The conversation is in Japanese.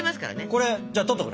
これじゃあ取っとくね。